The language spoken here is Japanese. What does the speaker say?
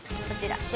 こちら。